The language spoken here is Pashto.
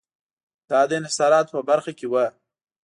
دا د انحصاراتو په برخه کې و.